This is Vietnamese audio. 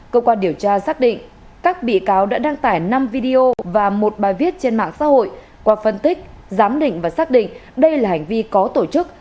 cơ quan điều tra xác định các bị cáo đã đăng tải năm video và một bài viết trên mạng xã hội qua phân tích giám định và xác định đây là hành vi có tổ chức